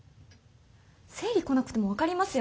生理こなくても分かりますよね？